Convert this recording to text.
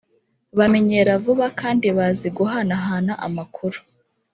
bamenyera vuba kandi bazi guhanahana amakuru